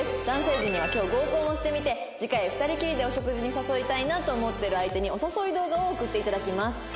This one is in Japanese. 男性陣には今日合コンをしてみて次回２人きりでお食事に誘いたいなと思ってる相手にお誘い動画を送って頂きます。